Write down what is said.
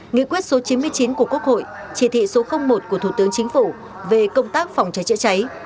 nghị quyết số chín mươi chín của quốc hội chỉ thị số một của thủ tướng chính phủ về công tác phòng cháy chữa cháy